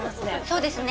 そうですね。